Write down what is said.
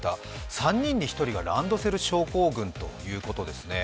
３人に１人がランドセル症候群ということです。